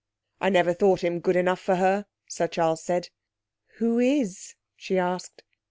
'I never thought him good enough for her,' Sir Charles said. 'Who is?' she asked.